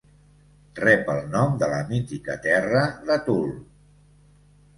Rep el nom de la mítica terra de Thule.